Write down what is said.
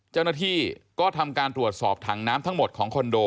เจ้าหน้าที่ก็ทำการตรวจสอบถังน้ำทั้งหมดของคอนโด